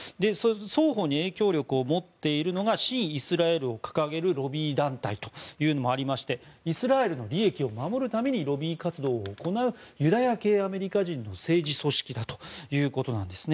双方に影響力を持っているのが親イスラエルを掲げるロビー団体というのもありましてイスラエルの利益を守るためにロビー活動を行うユダヤ系アメリカ人の政治組織だということです。